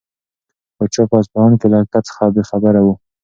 پاچا په اصفهان کې له حقیقت څخه بې خبره و.